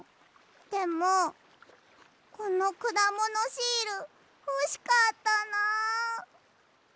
でもこのくだものシールほしかったなあ。